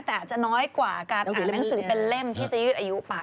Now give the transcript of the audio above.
แต่อาจจะน้อยกว่าการอ่านหนังสือเป็นเล่มที่จะยืดอายุไป